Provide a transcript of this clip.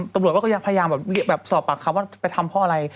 ตำรวจก็ยังพยายามมีเสาภาคครับว่าจะไปทำเพราะอะไร